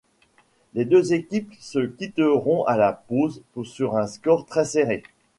Les deux équipes se quitteront à la pause sur un score très serré.